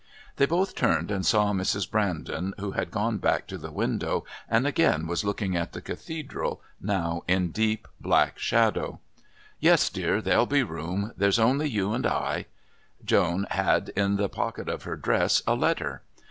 They both turned and saw Mrs. Brandon, who had gone back to the window and again was looking at the Cathedral, now in deep black shadow. "Yes, dear. There'll be room. There's only you and I " Joan had in the pocket of her dress a letter.